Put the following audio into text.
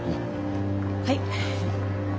はい。